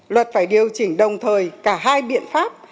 luật phải điều chỉnh đồng thời cả hai biện pháp